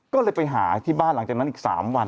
ก็เลยไปหาที่บ้านหลังจากนั้นอีก๓วัน